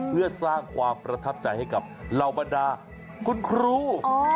เพื่อสร้างความประทับใจให้กับเหล่าบรรดาคุณครู